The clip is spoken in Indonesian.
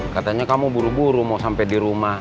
katanya kamu buru buru mau sampai di rumah